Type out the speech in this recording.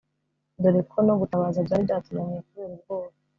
doreko no gutabaza byari byatunabiye kuberubwoba